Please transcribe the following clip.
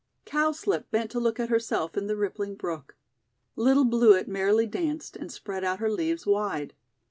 Cowslip bent to look at herself in the rippling brook. Little Bluet merrily danced, and spread out her leaves wide.